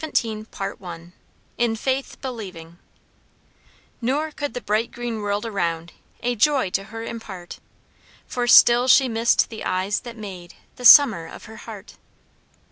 CHAPTER XVII In Faith Believing "Nor could the bright green world around A joy to her impart, For still she missed the eyes that made The summer of her heart."